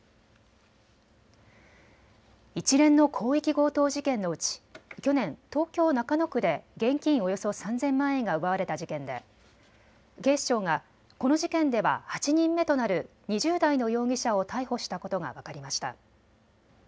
一連の広域強盗事件のうち去年、東京中野区で現金およそ３０００万円が奪われた事件で警視庁がこの事件では８人目となる２０代の容疑者を逮捕したことが分かりました。